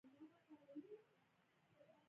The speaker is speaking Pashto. فزیک هغه کیسې لولي.